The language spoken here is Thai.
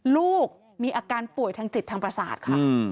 ลูกมีอาการป่วยทางจิตทางประสาทค่ะ